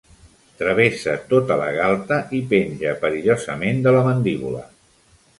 Travessa tota la galta i penja perillosament de la mandíbula.